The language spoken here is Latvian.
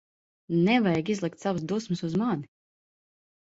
Nevajag izlikt savas dusmas uz mani.